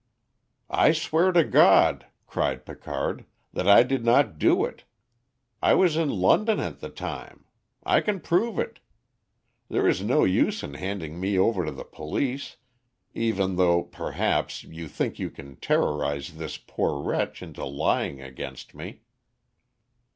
"I swear to God," cried Picard, "that I did not do it. I was in London at the time. I can prove it. There is no use in handing me over to the police, even though, perhaps, you think you can terrorise this poor wretch into lying against me."